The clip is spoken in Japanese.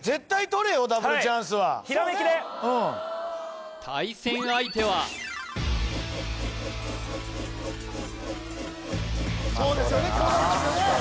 ダブルチャンスははいひらめきでうん対戦相手はそうですよねこうなりますよね